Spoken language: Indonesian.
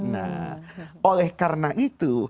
nah oleh karena itu